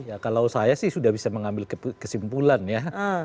ya kalau saya sih sudah bisa mengambil kesimpulan ya